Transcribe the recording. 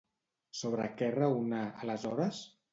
Sobre què raonà, aleshores?